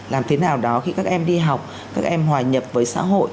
làm thế nào đó khi các em đi học các em hòa nhập với xã hội